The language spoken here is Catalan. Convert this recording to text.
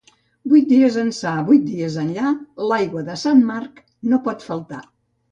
Vuit dies ençà, vuit dies enllà, l'aigua de Sant Marc no pot faltar.